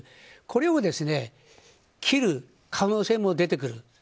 これを切る可能性も出てくる。